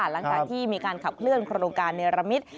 หลังจากที่มีการขับเคลื่อนโครงการเนรมิต